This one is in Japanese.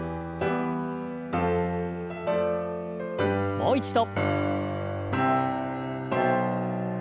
もう一度。